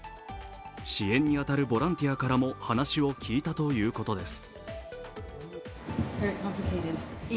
支援に当たるボランティアからも話を聞いたということです。